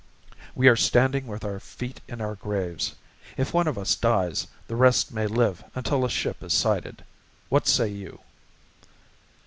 We are standing with our feet in our graves. If one of us dies, the rest may live until a ship is sighted. What say you?"